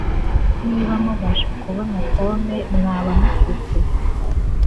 Niba mubasha kubona pome mwaba mufite